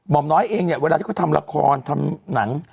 อมน้อยเองเนี่ยเวลาที่เขาทำละครทำหนัง